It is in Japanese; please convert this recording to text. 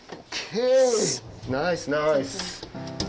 ナイスナイス。